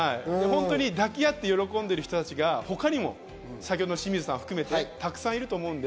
抱き合って喜んでる人たちが、先ほどの清水さんを含めて、たくさんいると思います。